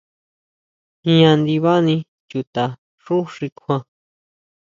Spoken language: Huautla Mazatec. Jñá ndibani chuta xu si kjuan.